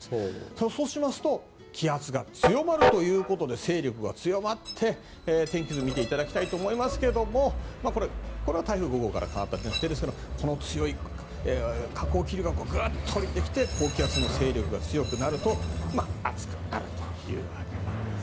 そうしますと気圧が強まるということで勢力が強まって、天気図を見ていただきたいと思いますがこれは台風５号から変わったものですがこの強い下降気流がグッと下りてきて高気圧の勢力が強くなると暑くなるというわけなんです。